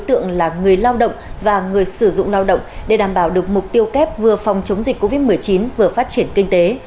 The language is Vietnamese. tượng là người lao động và người sử dụng lao động để đảm bảo được mục tiêu kép vừa phòng chống dịch covid một mươi chín vừa phát triển kinh tế